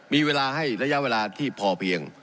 มีระยะเวลาใหญ่ที่พอเพียง